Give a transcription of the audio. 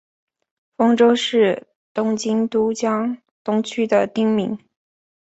丰洲是东京都江东区的町名。